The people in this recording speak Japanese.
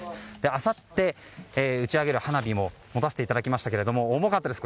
あさって打ち上げる花火も持たせていただきましたが重たかったです。